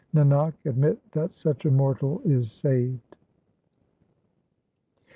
Nanak, admit that such a mortal is saved.